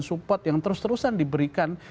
support yang terus terusan diberikan